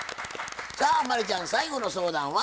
さあ真理ちゃん最後の相談は？